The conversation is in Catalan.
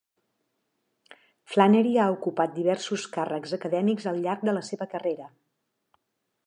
Flannery ha ocupat diversos càrrecs acadèmics al llarg de la seva carrera.